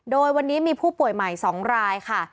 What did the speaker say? โดยวันนี้มีผู้ป่วยใหม่๒รายค่ะ